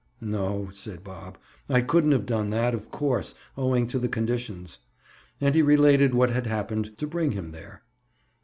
"No," said Bob, "I couldn't have done that, of course, owing to the conditions." And he related what had happened to bring him there.